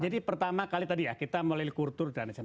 jadi pertama kali tadi ya kita melalui kultur dan esen